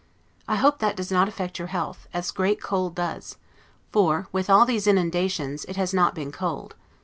I hope that does not affect your health, as great cold does; for, with all these inundations, it has not been cold.